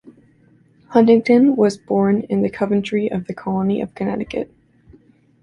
Huntington was born in Coventry in the Colony of Connecticut.